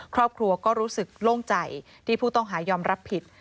ครอบครัวก็รู้สึกโล่งใจที่ผู้ต้องหายอมรับผิด